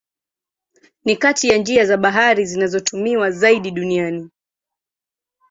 Ni kati ya njia za bahari zinazotumiwa zaidi duniani.